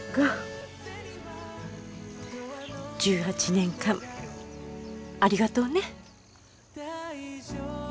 １８年間ありがとうね。